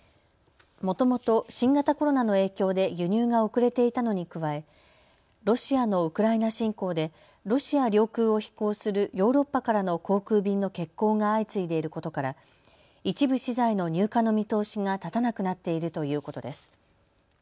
もともと新型コロナの影響で輸入が遅れていたのに加えロシアのウクライナ侵攻でロシア領空を飛行するヨーロッパからの航空便の欠航が相次いでいることから一部資材の入荷の見通しが立たなくなっているということです。